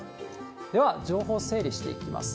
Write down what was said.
では情報整理していきます。